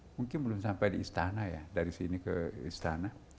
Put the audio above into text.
mungkin belum sampai di istana ya dari sini ke istana